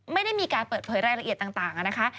ไม่ได้มีการเปิดเผยรายละเอียดต่างนะคะ